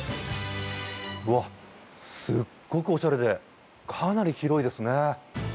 うわっ、すっごくおしゃれでかなり広いですね。